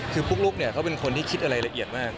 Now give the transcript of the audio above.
คือปุ๊กลุกเขาเป็นคนที่คิดอะไรละเอียดมาก